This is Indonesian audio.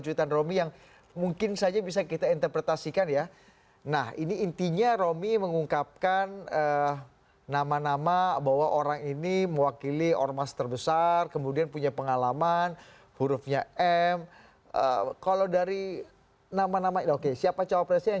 jelang penutupan pendaftaran